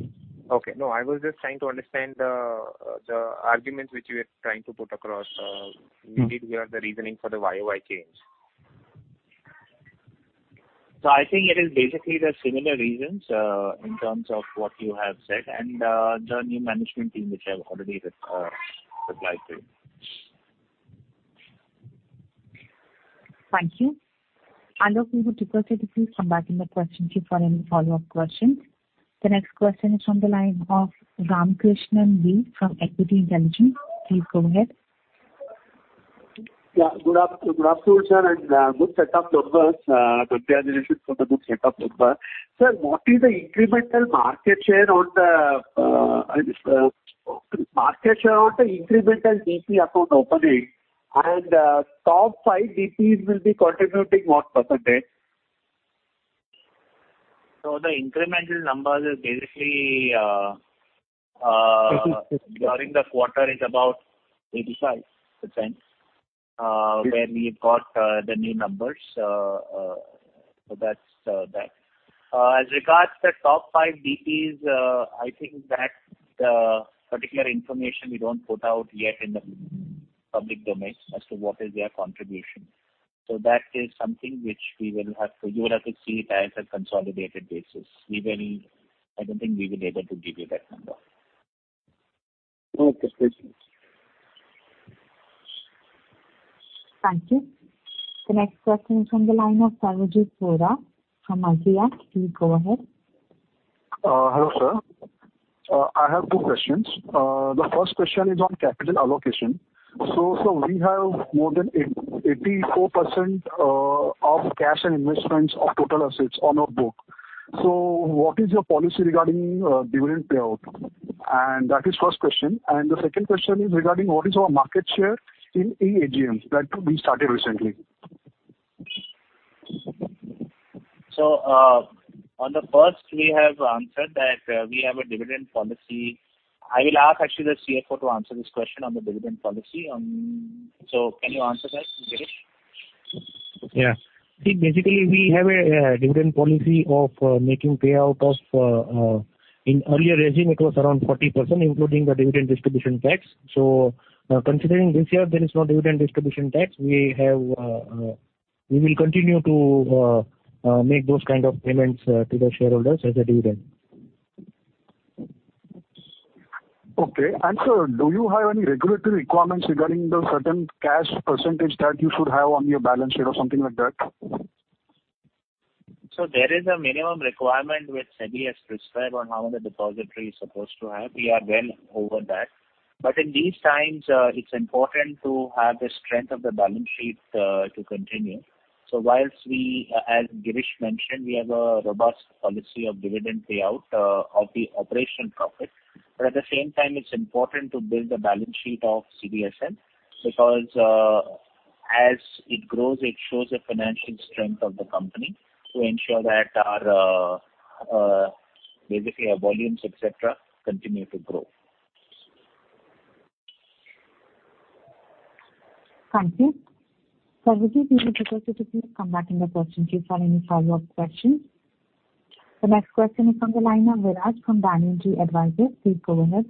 Okay. No, I was just trying to understand the arguments which you are trying to put across, maybe where the reasoning for the YoY change. I think it is basically the similar reasons, in terms of what you have said and the new management team, which I have already replied to. Thank you. Aalok, we would request you to please come back in the question queue for any follow-up questions. The next question is on the line of Ramakrishnan V from Equity Intelligence. Please go ahead. Good afternoon, sir. Good set of numbers. Congratulations on the good set of numbers. Sir, what is the incremental market share on the incremental DP account opening, and top five DPs will be contributing what percentage? The incremental numbers is basically during the quarter is about 85%, where we have got the new numbers, so that's that. As regards the top five DPs, I think that particular information we don't put out yet in the public domain as to what is their contribution. That is something which you will have to see it as a consolidated basis. I don't think we will be able to give you that number. Okay. Thank you. Thank you. The next question is from the line of *audio distortion* from Axia. Please go ahead. Hello, sir. I have two questions. The first question is on capital allocation. Sir, we have more than 84% of cash and investments of total assets on our book. What is your policy regarding dividend payout? That is first question. The second question is regarding what is our market share in e-AGMs that we started recently? On the first we have answered that we have a dividend policy. I will ask actually the CFO to answer this question on the dividend policy. Can you answer that, Girish? Yeah. See, basically we have a dividend policy of making payout of, in earlier regime it was around 40%, including the dividend distribution tax. Considering this year there is no dividend distribution tax, we will continue to make those kind of payments to the shareholders as a dividend. Okay. Sir, do you have any regulatory requirements regarding the certain cash percentage that you should have on your balance sheet or something like that? There is a minimum requirement which SEBI has prescribed on how the depository is supposed to have. We are well over that. In these times, it's important to have the strength of the balance sheet to continue. While we, as Girish mentioned, we have a robust policy of dividend payout of the operating profit. At the same time, it's important to build the balance sheet of CDSL because as it grows, it shows the financial strength of the company to ensure that basically our volumes, et cetera, continue to grow. Thank you. *audio distortion* we would request you to please come back in the question queue for any follow-up questions. The next question is on the line of Viraaj from Dalal Street Advisors. Please go ahead.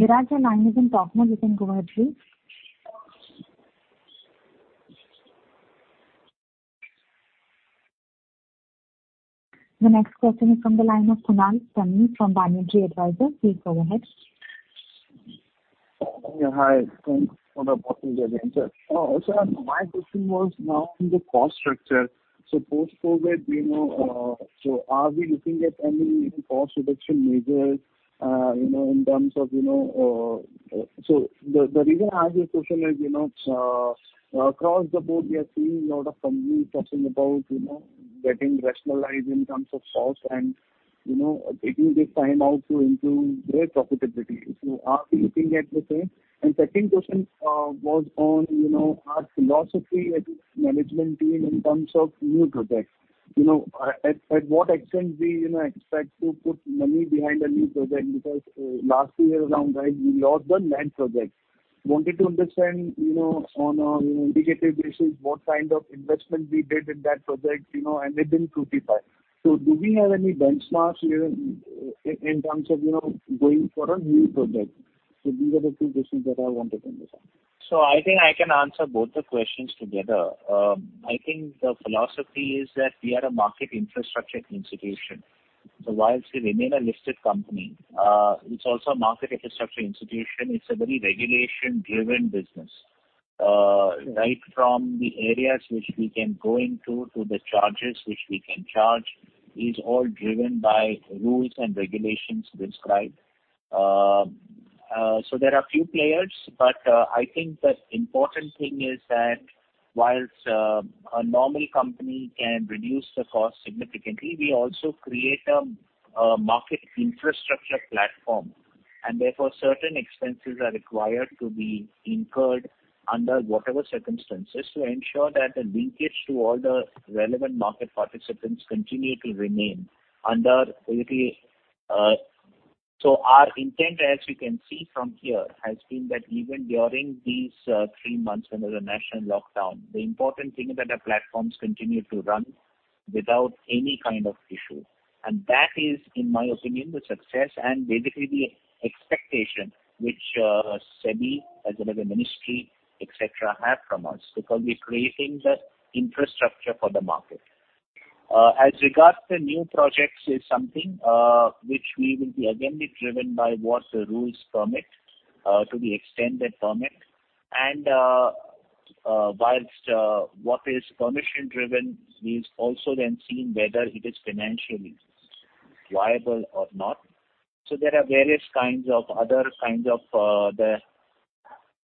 Viraaj, your line is on talk mode. You can go ahead, please. The next question is from the line of. *audio distortion* Please go ahead. Yeah. Hi. Thanks for the thoughtful agenda. Sir, my question was now in the cost structure. Post-COVID, are we looking at any new cost reduction measures? The reason I ask this question is, across the board, we are seeing a lot of companies talking about getting rationalized in terms of costs and taking this time out to improve their profitability. Are we looking at the same? Second question was on our philosophy as management team in terms of new projects. At what extent do you expect to put money behind a new project? Last few years around, right, we lost the NAD project. Wanted to understand, on an indicative basis, what kind of investment we did in that project, and it didn't fructify. Do we have any benchmarks in terms of going for a new project? These are the two questions that I wanted to understand. I think I can answer both the questions together. I think the philosophy is that we are a Market Infrastructure Institution. Whilst we remain a listed company, it's also a Market Infrastructure Institution. It's a very regulation-driven business. Right from the areas which we can go into to the charges which we can charge is all driven by rules and regulations prescribed. There are few players, but I think the important thing is that whilst a normal company can reduce the cost significantly, we also create a market infrastructure platform, and therefore certain expenses are required to be incurred under whatever circumstances to ensure that the linkage to all the relevant market participants continue to remain under. Our intent, as you can see from here, has been that even during these three months when there was a national lockdown, the important thing is that our platforms continued to run without any kind of issue. That is, in my opinion, the success and basically the expectation which SEBI as well as the ministry, et cetera, have from us, because we're creating the infrastructure for the market. As regards the new projects is something which we will be again be driven by what the rules permit to the extent they permit. Whilst what is permission-driven, we also then seeing whether it is financially viable or not. There are various kinds of.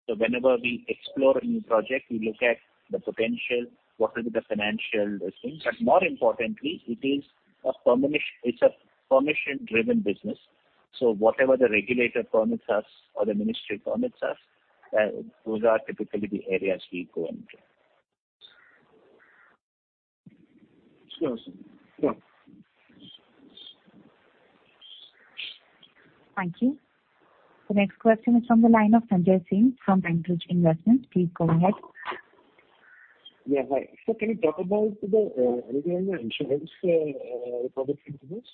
Whenever we explore a new project, we look at the potential, what will be the financial things. More importantly, it's a permission-driven business. Whatever the regulator permits us or the ministry permits us, those are typically the areas we go into. It's clear, sir. Yeah. Thank you. The next question is from the line of Sanjay Singh from PineBridge Investments. Please go ahead. Hi. Sir, can you talk about any way the insurance repository business?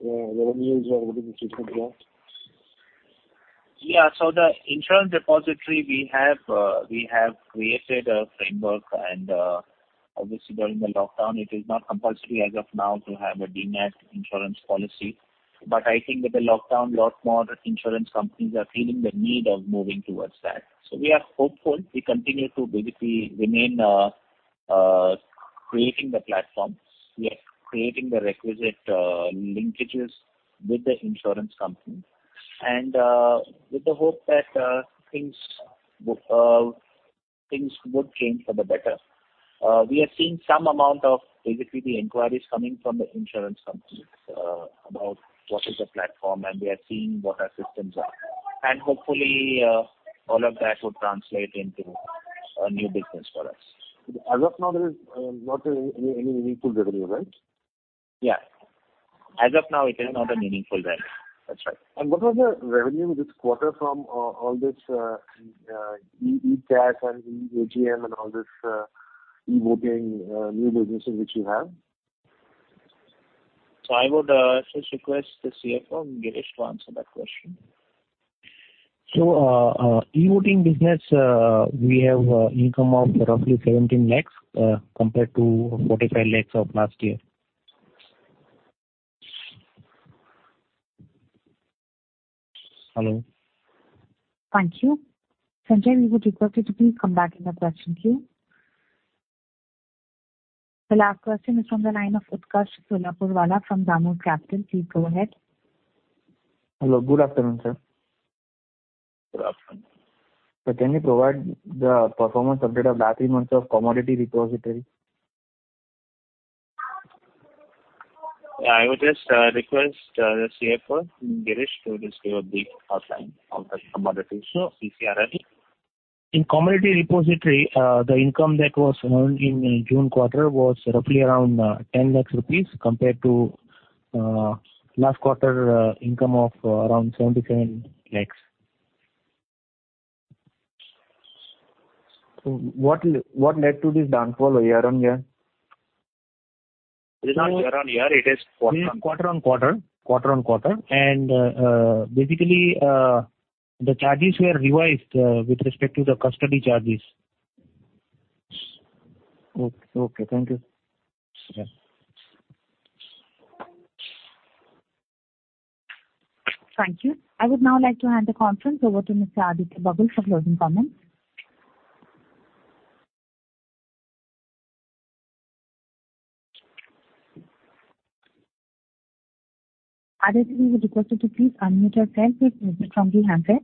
The revenues or what is the treatment there? The insurance depository, we have created a framework, and obviously during the lockdown, it is not compulsory as of now to have a demat insurance policy. I think with the lockdown, lot more insurance companies are feeling the need of moving towards that. We are hopeful we continue to basically remain creating the platforms. We are creating the requisite linkages with the insurance companies, and with the hope that things would change for the better. We are seeing some amount of basically the inquiries coming from the insurance companies about what is the platform, and they are seeing what our systems are. Hopefully all of that would translate into a new business for us. As of now, there is not any meaningful delivery, right? Yeah. As of now, it is not a meaningful revenue. That's right. What was the revenue this quarter from all this e-CAS and e-AGM and all this e-voting new businesses which you have? I would just request the CFO, Girish, to answer that question. e-voting business, we have income of roughly 17 lakh compared to 45 lakh of last year. Hello. Thank you. Sanjay, we would request you to please come back in the question queue. The last question is from the line of Utkarsh Solapurwala from DAMOS Capital. Please go ahead. Hello. Good afternoon, sir. Good afternoon. Sir, can you provide the performance update of last three months of commodity repository? Yeah. I would just request the CFO, Girish, to just give a brief outline of the commodity. CCRL. In commodity repository, the income that was earned in June quarter was roughly around 10 lakh rupees compared to last quarter income of around 77 lakh. What led to this downfall year-over-year? It is not year on year, it is quarter on. It is quarter-on-quarter. Basically, the charges were revised with respect to the custody charges. Okay. Thank you. Yeah. Thank you. I would now like to hand the conference over to Mr. Aditya Bagul for closing comments. Aditya, we would request you to please unmute yourself if you could from the handset.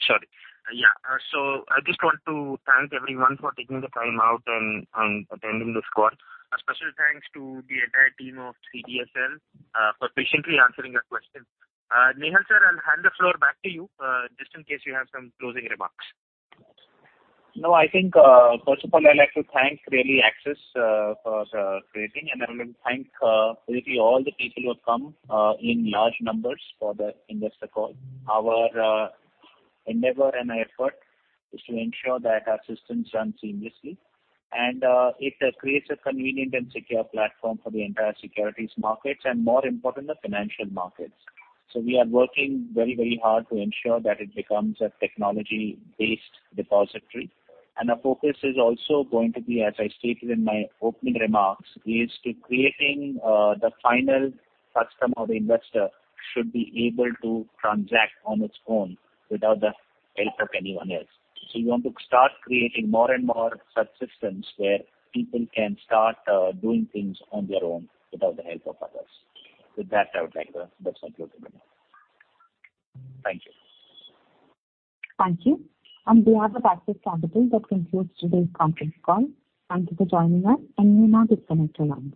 Sorry. Yeah. I just want to thank everyone for taking the time out and attending this call. A special thanks to the entire team of CDSL for patiently answering our questions. Nehal, sir, I'll hand the floor back to you, just in case you have some closing remarks. I think, first of all, I'd like to thank really Axis for creating, and I want to thank basically all the people who have come in large numbers for the investor call. Our endeavor and effort is to ensure that our systems run seamlessly, and it creates a convenient and secure platform for the entire securities markets, and more important, the financial markets. We are working very hard to ensure that it becomes a technology-based depository. Our focus is also going to be, as I stated in my opening remarks, is to creating the final customer or the investor should be able to transact on its own without the help of anyone else. We want to start creating more and more such systems where people can start doing things on their own without the help of others. With that, I would like to just conclude. Thank you. Thank you. On behalf of Axis Capital, that concludes today's conference call. Thank you for joining us, and you may now disconnect your lines.